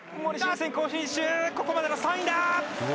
ここまでの３位だ！